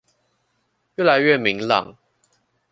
越來越明朗